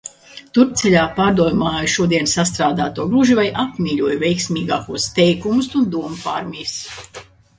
Turpceļā pārdomāju šodien sastrādāto, gluži vai apmīļoju veiksmīgākos teikumus un domu pārmijas.